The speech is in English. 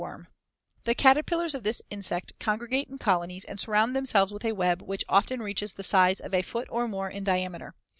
] THE FALL WEBWORM The caterpillars of this insect congregate in colonies and surround themselves with a web which often reaches the size of a foot or more in diameter.